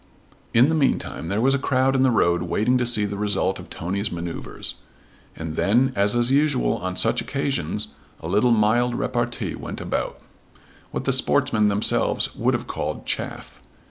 In the meantime there was a crowd in the road waiting to see the result of Tony's manoeuvres. And then, as is usual on such occasions, a little mild repartee went about, what the sportsmen themselves would have called "chaff."